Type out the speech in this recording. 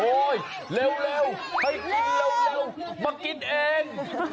เร็วให้กินเร็วมากินเอง